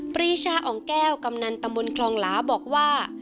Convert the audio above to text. ปรีชาอ่องแก้วกำนันตำบลคลองหลาบอกว่า